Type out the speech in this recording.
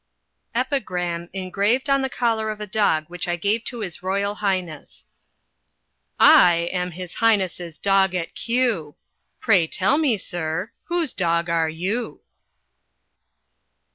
EPIGRAM, ENGRAVED ON THE COLLAR OF A DOG WHICH I GAVE TO HIS ROYAL HIGHNESS. I am His Highness' dog at Kew; Pray tell me, sir, whose dog are you?